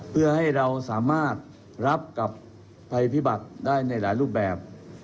เพื่อให้เราสามารถรับกับภัยพิบัติได้ในหลายรูปแบบ